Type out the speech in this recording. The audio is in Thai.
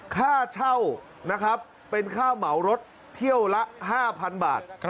ค่าเช่านะครับเป็นค่าเหมารถเที่ยวละ๕๐๐๐บาท